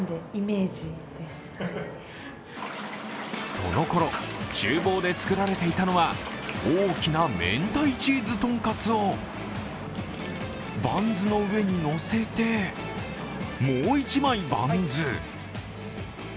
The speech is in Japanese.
そのころちゅう房で作られていたのは大きな明太チーズ豚カツをバンズの上にのせて、もう１枚バンズ。